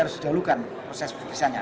harus didahulukan proses perpisahannya